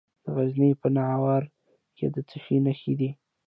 د غزني په ناور کې د څه شي نښې دي؟